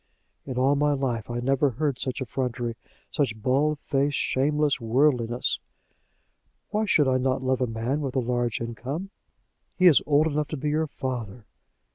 "In all my life I never heard such effrontery, such barefaced, shameless worldliness!" "Why should I not love a man with a large income?" "He is old enough to be your father."